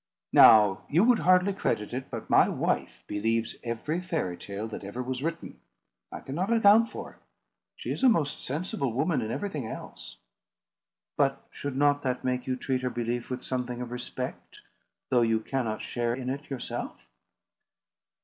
Now, you would hardly credit it, but my wife believes every fairy tale that ever was written. I cannot account for it. She is a most sensible woman in everything else." "But should not that make you treat her belief with something of respect, though you cannot share in it yourself?"